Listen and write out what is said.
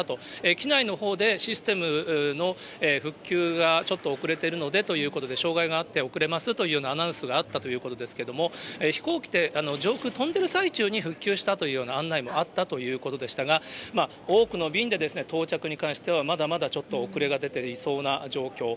機内のほうで、システムの復旧がちょっと遅れてるのでということで、障害があって遅れますというようなアナウンスがあったということですけども、飛行機で上空飛んでいる際に復旧したというような案内もあったということでしたが、多くの便で到着に関してはまだまだちょっと遅れが出ていそうな状況。